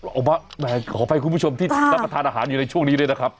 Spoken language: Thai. ออกมาขออภัยคุณผู้ชมที่รับประทานอาหารอยู่ในช่วงนี้ด้วยนะครับ